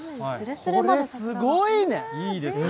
これ、すごいね。